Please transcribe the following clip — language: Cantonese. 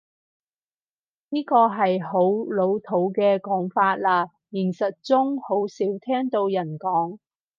呢個係好老土嘅講法喇，現實中好少聽到人講